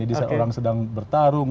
di saat orang sedang bertarung